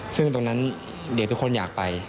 ซึ่งตรงนั้นเดี๋ยวทุกคนอยากไป